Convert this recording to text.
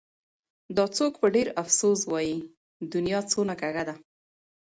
دا څوک په ډېر افسوس وايي : دنيا څونه کږه ده